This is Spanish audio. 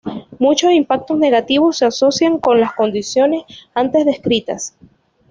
Muchos impactos negativos se asocian con las condiciones antes descritas.